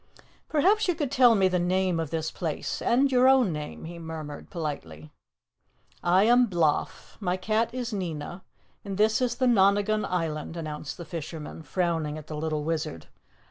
"Perhaps you could tell me the name of this place and your own name?" he murmured politely. "I am Bloff, my cat is Nina, and this is the Nonagon Island," announced the fisherman, frowning at the little Wizard.